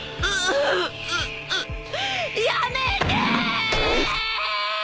あっ。